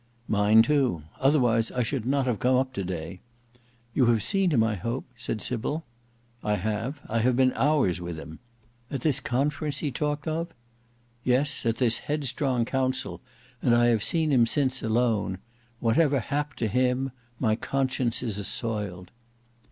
"Mine too. Otherwise I should not have come up today." "You have seen him I hope?" said Sybil. "I have; I have been hours with him." "I am glad. At this conference he talked of?" "Yes; at this headstrong council; and I have seen him since; alone. Whatever hap to him, my conscience is assoiled."